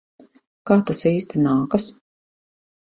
Kā tas īsti nākas?